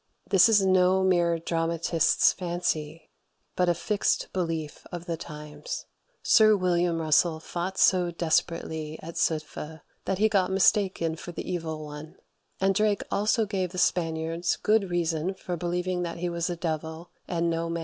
This is no mere dramatist's fancy, but a fixed belief of the times. Sir William Russell fought so desperately at Zutphen, that he got mistaken for the Evil One; and Drake also gave the Spaniards good reason for believing that he was a devil, and no man.